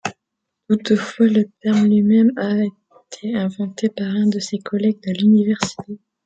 Toutefois, le terme lui-même a été inventé par un de ses collègues à l'université.